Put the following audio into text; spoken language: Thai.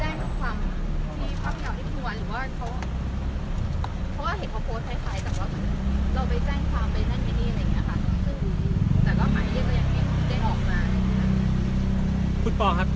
สิ่งเดียวที่เราต้องการณขณะนี้คืออะไรครับคุณพ่อ